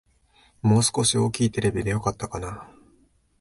もう少し大きいテレビでよかったかな